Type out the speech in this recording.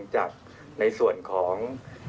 จากในส่วนของ